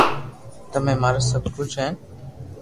تمي مارا سب ڪوجھ ھين